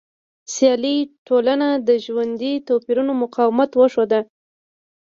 سیالي ټولنه د نژادي توپیرونو مقاومت وښود.